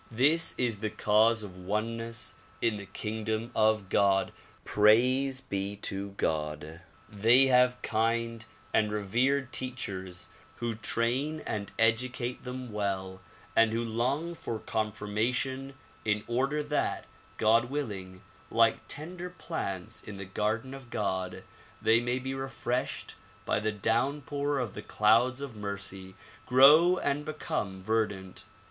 This is the cause of oneness in the kingdom of God. Praise be to God! DISCOURSES DELIVERED IN BROOKLYN 189 they have kind and revered teachers who train and educate them well and who long for confirmation in order that, God willing, like tender plants in the garden of God they may be refreshed by the downpour of the clouds of mercy, grow and become verdant.